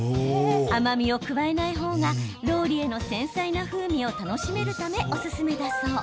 甘みを加えない方がローリエの繊細な風味を楽しめるため、おすすめだそう。